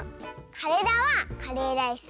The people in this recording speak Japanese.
「カレラ」は「カレーライス」。